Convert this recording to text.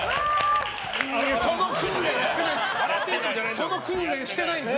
その訓練してないんです。